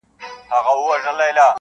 لا پخپله هم د بار په منځ کي سپور وو-